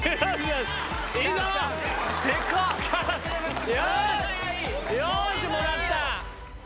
よしもらった。